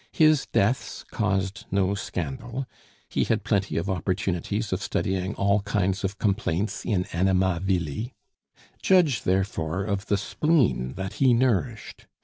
His deaths caused no scandal; he had plenty of opportunities of studying all kinds of complaints in anima vili. Judge, therefore, of the spleen that he nourished!